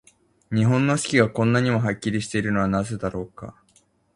日本の四季が、こんなにもはっきりしているのはなぜだろうか。